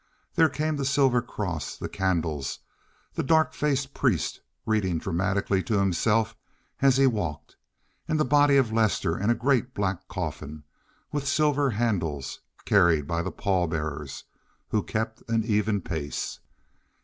There came the silver cross, the candles, the dark faced priest, reading dramatically to himself as he walked, and the body of Lester in a great black coffin, with silver handles, carried by the pall bearers, who kept an even pace.